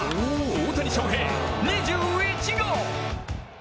大谷翔平、２１号！